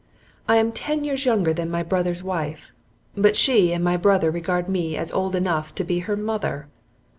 I am ten years younger than my brother's wife, but she and my brother regard me as old enough to be her mother.